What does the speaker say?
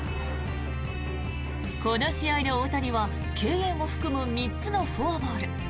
この試合の大谷は敬遠を含む３つのフォアボール